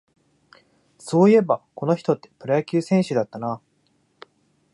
そういえば、この人ってプロ野球選手だったな